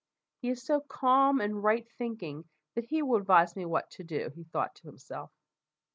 "He is so calm and right thinking, that he will advise me what to do," he thought to himself.